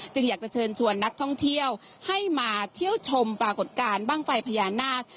อยากจะเชิญชวนนักท่องเที่ยวให้มาเที่ยวชมปรากฏการณ์บ้างไฟพญานาค